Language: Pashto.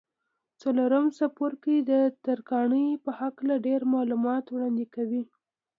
څلورم څپرکی د ترکاڼۍ په هکله ډېر معلومات وړاندې کوي.